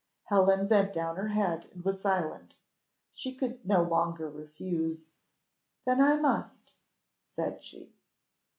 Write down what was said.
Helen bent down her head and was silent she could no longer refuse. "Then I must," said she.